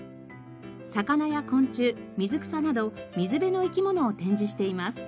魚や昆虫水草など水辺の生き物を展示しています。